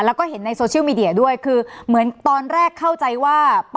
แล้วก็เห็นในโซเชียลมีเดียด้วยคือเหมือนตอนแรกเข้าใจว่า